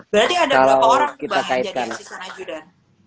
berarti ada berapa orang yang jadi sisa ajudan